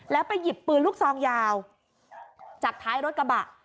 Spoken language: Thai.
แล้วไปหยิบปืนลูกซองยาวจากท้ายรถกระบะ